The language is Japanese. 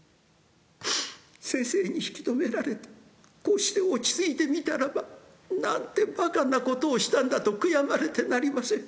先生に引き止められてこうして落ち着いてみたらばなんて馬鹿なことをしたんだと悔やまれてなりません。